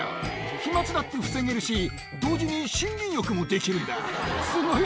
飛まつだって防げるし、同時に森林浴もできるんだ。